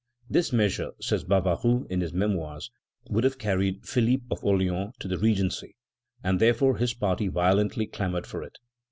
"This measure," says Barbaroux in his Memoirs, "would have carried Philippe of Orléans to the regency, and therefore his party violently clamored for it.